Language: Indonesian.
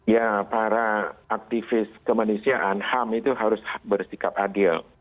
ya para aktivis kemanusiaan ham itu harus bersikap adil